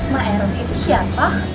maeros itu siapa